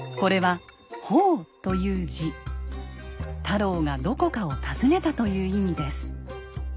太郎がどこかを訪ねたという意味です。